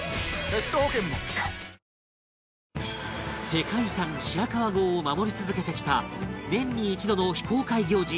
世界遺産白川郷を守り続けてきた年に一度の非公開行事